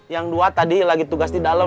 yang dua tadi lagi tugas di dalam